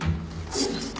すいません。